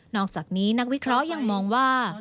อกจากนี้นักวิเคราะห์ยังมองว่า